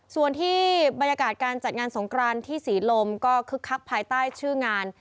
ส่วนที่บรรยากาศการจัดงานสงครานที่ศรีลมก็คึกคักภายใต้ชื่องาน